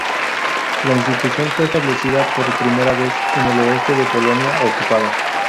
La institución fue establecida por primera vez en el oeste de Polonia ocupada.